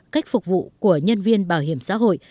cách phục vụ của nhân viên bảo hiểm xã hội